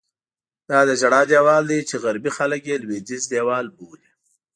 دا د ژړا دیوال دی چې غربي خلک یې لوېدیځ دیوال بولي.